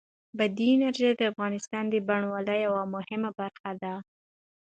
بادي انرژي د افغانستان د بڼوالۍ یوه مهمه برخه ده.Shutterstock